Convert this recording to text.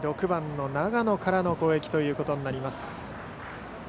６番の永野からの攻撃ということになります。